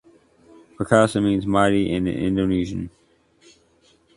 Perkasa means "mighty" in Indonesian.